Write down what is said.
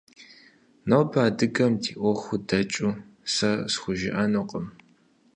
Нобэ адыгэм ди Ӏуэхур дэкӀыу сэ схужыӀэнукъым.